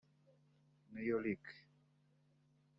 Niyorick